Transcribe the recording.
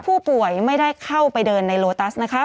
ผู้ป่วยไม่ได้เข้าไปเดินในโลตัสนะคะ